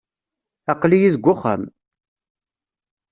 Aql-iyi deg uxxam.